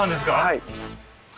はい。